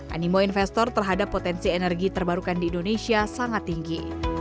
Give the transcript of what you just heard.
animo investor terhadap potensi energi terbarukan di indonesia sangat tinggi